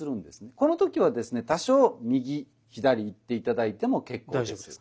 この時はですね多少右左行って頂いても結構です。